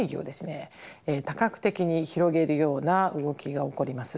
多角的に広げるような動きが起こります。